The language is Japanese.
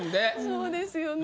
そうですよね。